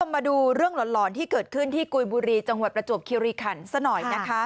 มาดูเรื่องหลอนที่เกิดขึ้นที่กุยบุรีจังหวัดประจวบคิริขันซะหน่อยนะคะ